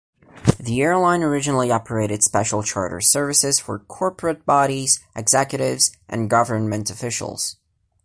The airline originally operated special charter services for corporate bodies, executives and government officials.